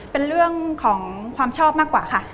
เป็นเรื่องของความชอบมากกว่าค่ะ